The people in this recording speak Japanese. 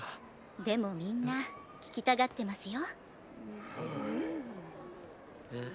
でもみんな聞きたがってますよ。